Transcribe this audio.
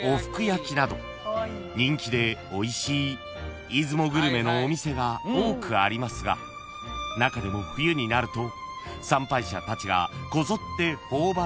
［人気でおいしい出雲グルメのお店が多くありますが中でも冬になると参拝者たちがこぞって頬張るスイーツが］